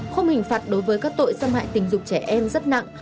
khung hình phạt đối với các tội xâm hại tình dục trẻ em rất nặng